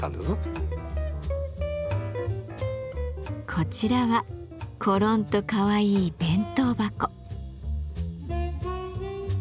こちらはコロンとかわいい弁当箱。